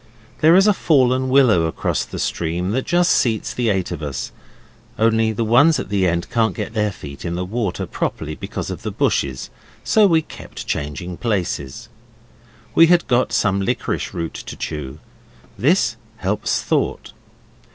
There is a fallen willow across the stream that just seats the eight of us, only the ones at the end can't get their feet into the water properly because of the bushes, so we keep changing places. We had got some liquorice root to chew. This helps thought.